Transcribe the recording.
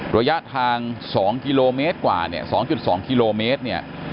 ระยะทาง๒กิโลเมตรกว่าเนี่ย๒๒กิโลเมตรเนี่ย